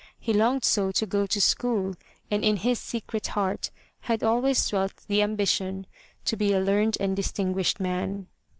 He longed so to go to school and in his secret heart had always dwelt the ambition to be a 'learned and distinguished man."